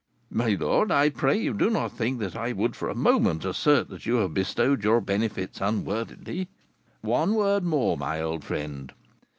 "My lord, I pray you do not think that I would for a moment assert that you have bestowed your benefits unworthily." "One word more, my old friend.